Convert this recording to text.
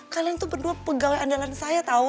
kalian tuh berdua pegawai andalan saya tau